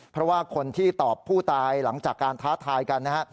เพราะว่าคนที่ตอบผู้ตายหลังจากการท้าทายกันนะฮะ